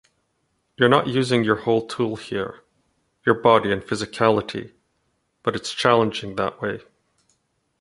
You're not using your whole tool here-your body and physicality-but it's challenging that way.